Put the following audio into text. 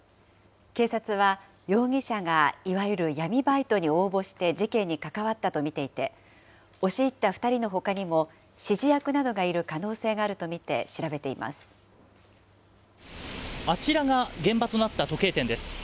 警察は、容疑者がいわゆる闇バイトに応募して事件に関わったと見ていて、押し入った２人のほかにも、指示役などがいる可能性があると見て、あちらが現場となった時計店です。